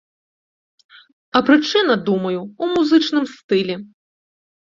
А прычына, думаю, у музычным стылі.